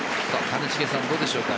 谷繁さん、どうでしょうか？